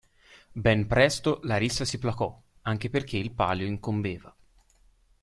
Ben presto la rissa si placò, anche perché il Palio incombeva.